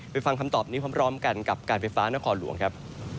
ฟังคำตอบนี้พร้อมกันกับการไฟฟ้านครหลวงครับ